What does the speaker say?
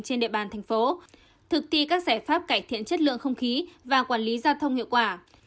trên địa bàn thành phố thực thi các giải pháp cải thiện chất lượng không khí và quản lý giao thông hiệu quả